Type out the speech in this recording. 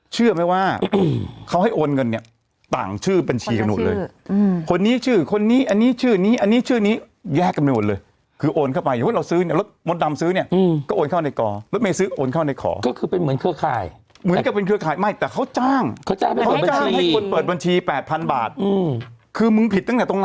เชื่อไหมว่าเขาให้โอนเงินเนี่ยต่างชื่อบัญชีกันหมดเลยคนนี้ชื่อคนนี้อันนี้ชื่อนี้อันนี้ชื่อนี้แยกกันไปหมดเลยคือโอนเข้าไปสมมุติเราซื้อเนี่ยรถมดดำซื้อเนี่ยก็โอนเข้าในกอรถเมย์ซื้อโอนเข้าในขอก็คือเป็นเหมือนเครือข่ายเหมือนกับเป็นเครือข่ายไม่แต่เขาจ้างเขาจ้างให้เปิดบัญชีให้คนเปิดบัญชี๘๐๐บาทคือมึงผิดตั้งแต่ตรง